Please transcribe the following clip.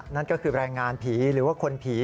นั่นก็คือแรงงานผีหรือว่าคนผี